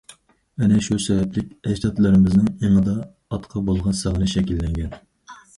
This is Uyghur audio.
ئەنە شۇ سەۋەبلىك ئەجدادلىرىمىزنىڭ ئېڭىدا ئاتقا بولغان سېغىنىش شەكىللەنگەن.